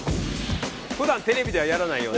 普段テレビではやらないような。